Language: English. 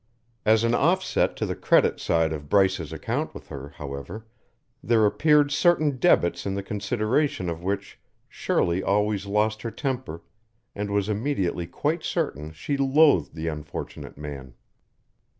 As an offset to the credit side of Bryce's account with her, however, there appeared certain debits in the consideration of which Shirley always lost her temper and was immediately quite certain she loathed the unfortunate man.